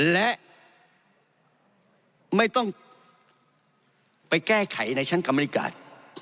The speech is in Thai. และไม่ต้องไปแก้ไขในชั้นกรรมนิการ